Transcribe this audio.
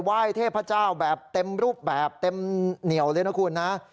เทพเจ้าแบบเต็มรูปแบบเต็มเหนียวเลยนะคุณนะ